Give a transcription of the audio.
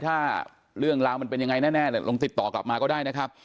ถ้าเรื่องราวมันเป็นยังไงแน่ลองติดต่อกลับมาก็ได้นะครับ